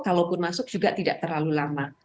kalaupun masuk juga tidak terlalu lama